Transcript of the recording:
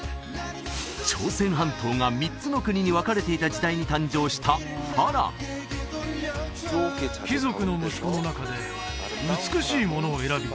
朝鮮半島が３つの国に分かれていた時代に誕生した花郎「貴族の息子の中で美しい者を選び」